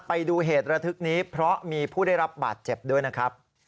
ไปดูเหตุระทึกนี้เพราะมีผู้ได้รับบาดเจ็บด้วยนะครับ